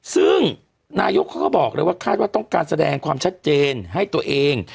ซึ่งนายกเขาก็บอกเลยว่าคาดว่าต้องการแสดงความชัดเจนให้ตัวเอง